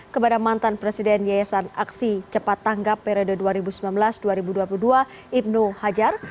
kepada mantan presiden yayasan aksi cepat tanggap periode dua ribu sembilan belas dua ribu dua puluh dua ibnu hajar